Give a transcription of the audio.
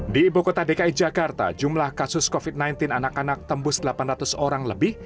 di ibu kota dki jakarta jumlah kasus covid sembilan belas anak anak tembus delapan ratus orang lebih